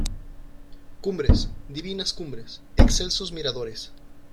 Cumbres, divinas cumbres, excelsos miradores.